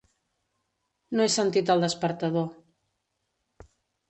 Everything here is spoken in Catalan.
No he sentit el despertador.